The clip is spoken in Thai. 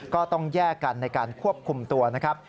ก็ต้องแยกกันในการควบคุมตัวนะครับ